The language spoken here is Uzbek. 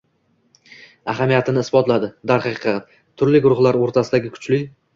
ahamiyatini isbotladi. Darhaqiqat, turli guruhlar o‘rtasidagi kuchli